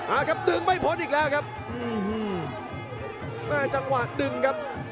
อ่าครับดึงไม่พ้นอีกแล้วครับอื้อฮือแหลมจังหวัดดึงครับ